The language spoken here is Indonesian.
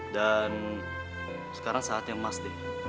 dan sekarang saatnya mas ji